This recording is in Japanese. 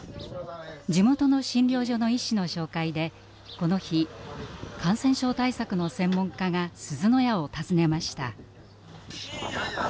地元の診療所の医師の紹介でこの日感染症対策の専門家がすずの家を訪ねました。